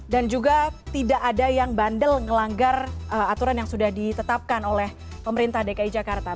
dan juga tidak ada yang bandel ngelanggar aturan yang sudah ditetapkan oleh pemerintah dki jakarta